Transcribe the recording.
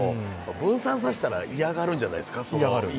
分散させたら嫌がるんじゃないですか。